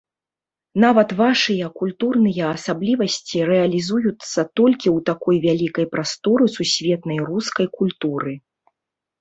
Нават вашыя культурныя асаблівасці рэалізуюцца толькі ў такой вялікай прасторы сусветнай рускай культуры.